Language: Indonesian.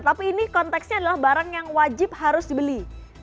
tapi ini konteksnya adalah barang yang wajib harus dibeli